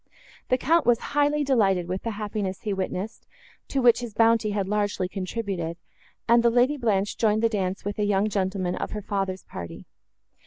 The Count was highly delighted with the happiness he witnessed, to which his bounty had largely contributed, and the Lady Blanche joined the dance with a young gentleman of her father's party.